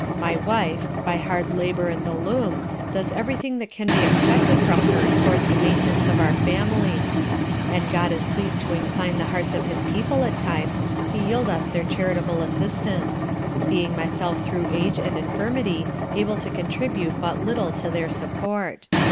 My wife, by hard labor at the loom, does every thing that can be expected from her towards the maintenance of our family; and God is pleased to incline the hearts of his People at times to yield us their charitable assistance; being myself through age and infirmity able to contribute but little to their support.